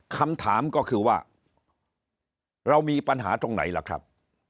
คำถามก็คือว่าเรามีปัญหาตรงไหนล่ะครับ